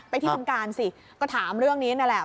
ที่ทำการสิก็ถามเรื่องนี้นั่นแหละ